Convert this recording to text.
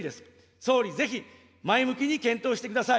総理、ぜひ前向きに検討してください。